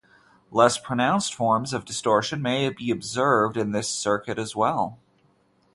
Less pronounced forms of distortion may be observed in this circuit as well.